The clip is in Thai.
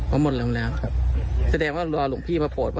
หมดลมแล้วแสดงว่ารอหลวงพี่มาโปรดป่ะ